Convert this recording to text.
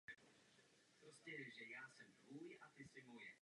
Mohu potvrdit, že v této věci jsme zvolili jiný přístup.